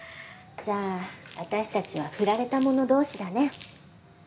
じゃあ私たちはフラれた者同士だね。